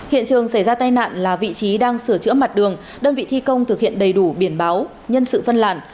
hiện trường xảy ra tai nạn là vị trí đang sửa chữa mặt đường đơn vị thi công thực hiện đầy đủ biển báo nhân sự phân làn